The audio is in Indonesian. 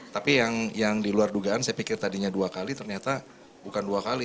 tapi yang diluar dugaan saya pikir tadinya dua kali ternyata bukan dua kali